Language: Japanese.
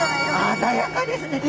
鮮やかですね。